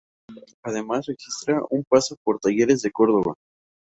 Además registra un paso por Talleres de Córdoba.